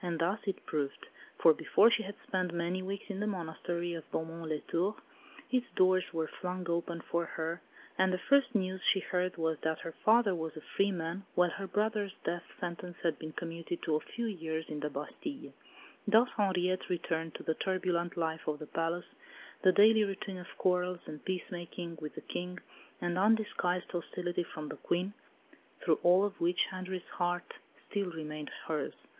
And thus it proved; for before she had spent many weeks in the Monastery of Beaumont les Tours, its doors were flung open for her, and the first news she heard was that her father was a free man, while her brother's death sentence had been commuted to a few years in the Bastille. Thus Henriette returned to the turbulent life of the palace the daily routine of quarrels and peacemaking with the King, and undisguised hostility from the Queen, through all of which Henri's heart still remained hers.